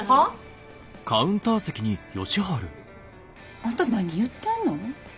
あんた何言ってんの？